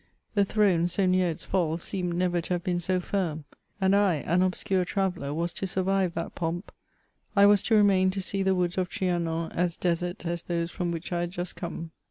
The throne, so near its fall, seemed never to have been so firm. And I, an obscure trayeller, "was to survive that pomp, I was to remain to see the woods of Trianon as desert as those from which I had just come.